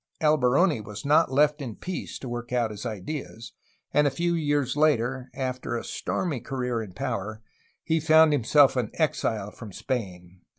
Alberoni was not left in peace to work out his ideas, and a few years later, after a stormy career in power, he found himself an exile from Spain.